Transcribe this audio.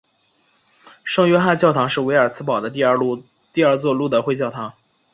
圣约翰教堂是维尔茨堡的第二座路德会教堂。